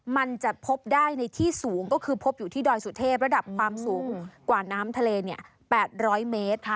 มันจะพบได้ในที่สูงก็คือพบอยู่ที่ดอยสุเทพระดับความสูงกว่าน้ำทะเล๘๐๐เมตร